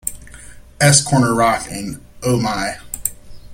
"S-Corner Rock", and "Oh My".